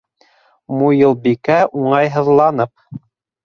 Муйылбикә уңайһыҙланып: